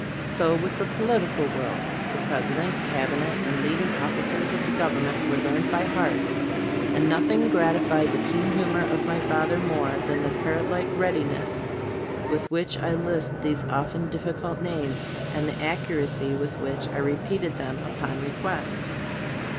So with the political world; the president, cab inet and leading officers of the govern ment were learned by heart, and nothing gratified the keen humor of my father more than the parrot like readiness with which I lisped these often difficult names, and the accu racy with which I repeated them upon request.